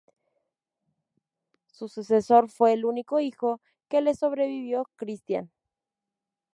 Su sucesor fue el único hijo que le sobrevivió, Cristián.